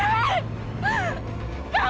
tapi dia terlalu berkeputusan